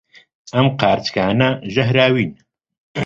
ئەم قارچکانە ژەهراوین.